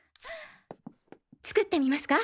作ってみますか？